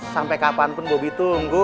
sampai kapan pun bobi tunggu